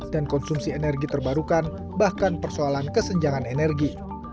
dan konsumsi energi terbarukan bahkan persoalan kesenjangan energi